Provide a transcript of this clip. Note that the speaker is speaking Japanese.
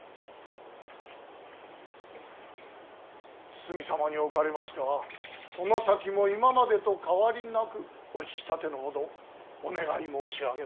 堤様におかれましてはこの先も今までと変わりなくお引き立てのほどお願い申し上げまする。